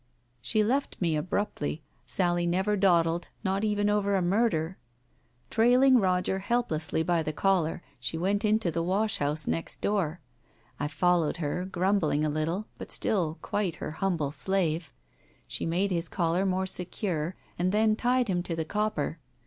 ..." She left me abruptly— Sally never dawdled, not even over a murder. Trailing Roger helplessly by the collar, Digitized by Google 200 TALES OF THE UNEASY she went into the wash house next door. I followed her grumbling a little, but still quite her humble slave. She made his collar more secure and then tied him to the copper.